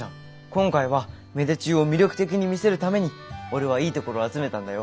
今回は芽出中を魅力的に見せるために俺はいいところを集めたんだよ。